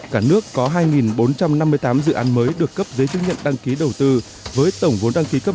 cả nước có hai bốn trăm năm mươi tám dự án mới được cấp giấy chứng nhận đăng ký đầu tư với tổng vốn đăng ký cấp